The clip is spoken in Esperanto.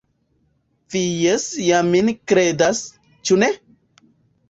Vi jes ja min kredas, ĉu ne?